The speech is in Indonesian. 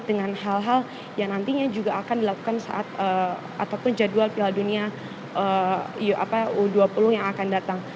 dan hal hal yang nantinya juga akan dilakukan saat ataupun jadwal piala dunia u dua puluh yang akan datang